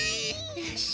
よし。